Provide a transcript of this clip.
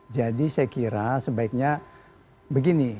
jadi saya kira sebaiknya begini